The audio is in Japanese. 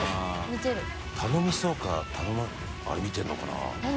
頼みそうかあれ見てるのかな？